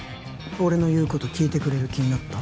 俺の言うこと聞いてくれる気になった？